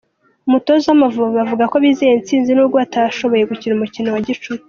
Umutoza w’amavubi avuga ko bizeye intsinzi n’ubwo batashoboye gukina umukino wa gicuti.